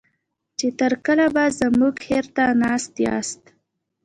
چې تر کله به زموږ خيرات ته ناست ياست.